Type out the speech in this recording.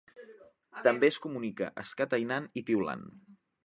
També es comunica escatainant i piulant.